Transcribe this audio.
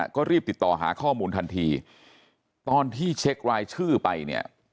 ก็รีบติดต่อหาข้อมูลทันทีตอนที่เช็คไลน์ชื่อไป